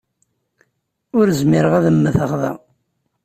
Ur zmireɣ ad mmteɣ da.